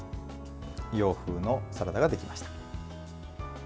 洋風のサラダができました。